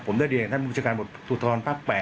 ผมได้เรียนท่านมุจจังห์การบทศูนย์ภาพ๘